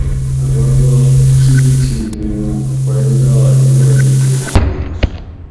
ربہ کیتھی مُوں پیدا عبادتیں کیر